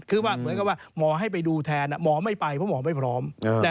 คือว่าเหมือนกับว่าหมอให้ไปดูแทนหมอไม่ไปเพราะหมอไม่พร้อม